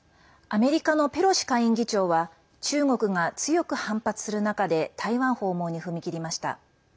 アメリカのペロシ下院議長は中国が強く反発する中で台湾訪問に踏み切りました。